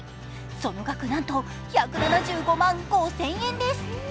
その額、なんと１７５万５０００円です。